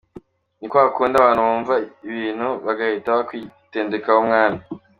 Ni kwa kundi abantu bumva ikintu bagahita bakwitendekaho mwana.